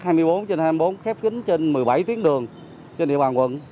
hai mươi bốn trên hai mươi bốn khép kính trên một mươi bảy tuyến đường trên địa bàn quận